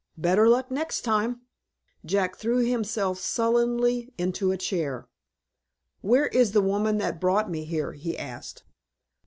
Better luck next time." Jack throw himself sullenly into a chair. "Where is the woman that brought me here?" he asked.